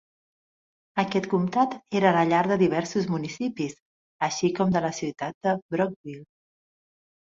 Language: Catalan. Aquest comtat era la llar de diversos municipis, així com de la ciutat de Brockville.